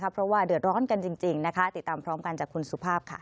เพราะว่าเดือดร้อนกันจริงนะคะติดตามพร้อมกันจากคุณสุภาพค่ะ